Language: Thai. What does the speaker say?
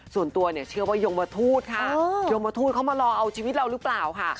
ส่วนตัวเนี่ยเชื่อว่ายมทูตค่ะยมทูตเขามารอเอาชีวิตเราหรือเปล่าค่ะ